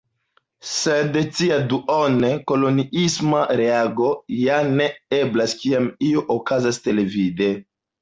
Sed tia duon-koloniisma reago ja ne eblas, kiam io okazas televide.